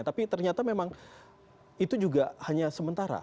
tapi ternyata memang itu juga hanya sementara